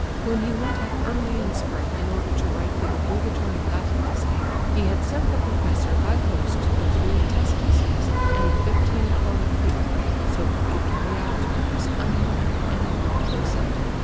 When he went up early in spring in order to write the obligatory Latin essay he had sent the professor by post the three test essays and the 15 krona fee. So he could carry out his purpose unhindered and enrolled himself.